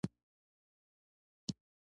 زړه مې د غم تر سیوري لاندې ښخ شو.